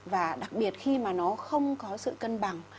và đặc biệt khi mà nó không có sự cân bằng